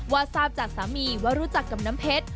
ทราบจากสามีว่ารู้จักกับน้ำเพชร